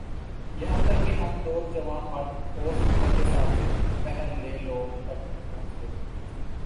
یہاں تک کہہ ہم دو جواںمرد اوسط عمر کے حساب سے پہل لے لوگ تک پہنچ گئے